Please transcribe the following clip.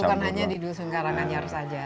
jadi bukan hanya di dusun karanganyar saja